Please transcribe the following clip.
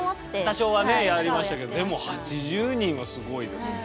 多少はねやりましたけどでも８０人はすごいですよね。